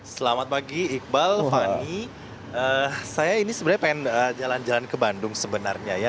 selamat pagi iqbal fani saya ini sebenarnya pengen jalan jalan ke bandung sebenarnya ya